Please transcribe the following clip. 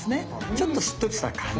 ちょっとしっとりした感じ。